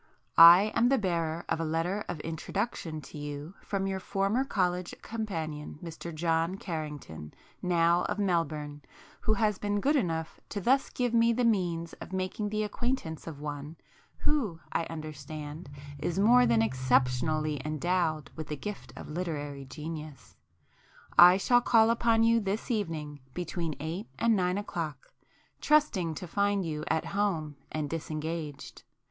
I am the bearer of a letter of introduction to you from your former college companion Mr John Carrington, now of Melbourne, who has been good enough to thus give me the means of making the acquaintance of one, who, I understand, is more than exceptionally endowed with the gift of literary genius. I shall call upon you this evening between eight and nine o'clock, trusting to find you at home and disengaged.